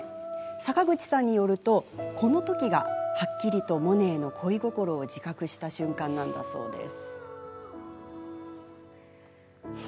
坂口さんによると、このときがはっきりとモネへの恋心を自覚した瞬間なんだそうです。